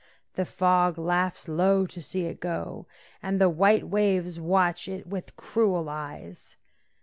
The fog laughs low to see it go, And the white waves watch it with cruel eyes.